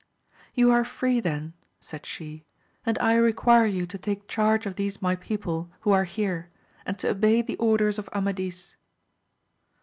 You are free then, said she, and I require you to take charge of these my people who are here, and to obey the orders of Amadis.